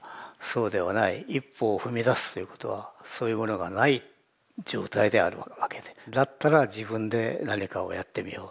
一歩を踏み出すということはそういうものがない状態であるわけでだったら自分で何かをやってみよう。